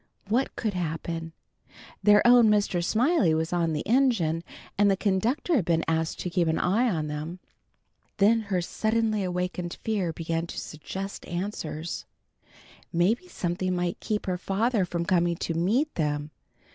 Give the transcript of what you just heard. What could happen? Their own Mr. Smiley was on the engine, and the conductor had been asked to keep an eye on them. Then her suddenly awakened fear began to suggest answers. Maybe something might keep her father from coming to meet them.